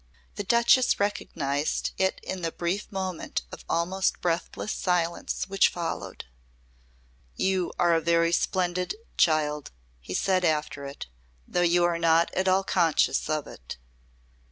The Duchess recognised it in the brief moment of almost breathless silence which followed. "You are very splendid, child," he said after it, "though you are not at all conscious of it."